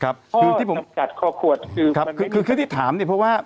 ครับคือที่ผมข้อขวดคือครับคือคือคือที่ถามนี่เพราะว่า